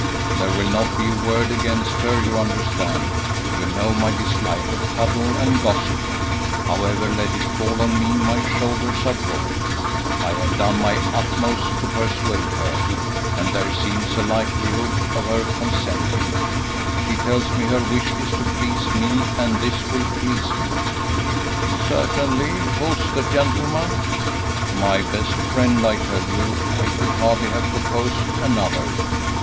"There will not be a word against her, you understand. You know my dislike of tattle and gossip. However, let it fall on me; my shoulders are broad. I have done my utmost to persuade her, and there seems a likelihood of her consenting. She tells me her wish is to please me, and this will please me." "Certainly. Who's the gentleman?" "My best friend, I tell you. I could hardly have proposed another.